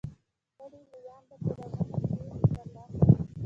کړي لویان به څراغونه ترې ترلاسه